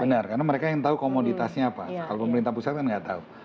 benar karena mereka yang tahu komoditasnya apa kalau pemerintah pusat kan nggak tahu